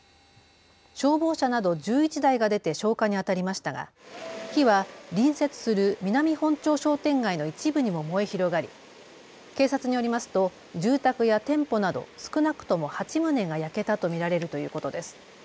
消防車など１１台が出て消火にあたりましたが火は隣接する南本町商店街の一部にも燃え広がり警察によりますと住宅や店舗など少なくとも８棟が焼けたと見られるということです。